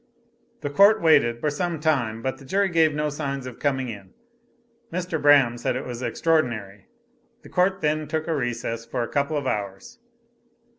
The Court waited for some time, but the jury gave no signs of coming in. Mr. Braham said it was extraordinary. The Court then took a recess for a couple of hours.